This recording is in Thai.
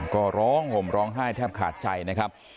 ก็ร้องห่มร้องไห้แทบขาดใจนะครับ